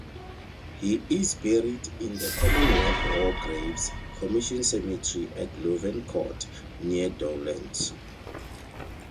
He is buried in the Commonwealth War Graves Commission cemetery at Louvencourt, near Doullens.